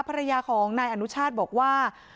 ภรรยาของนายอนุชาติบอกว่า